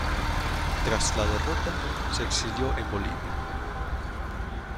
Tras la derrota, se exilió en Bolivia.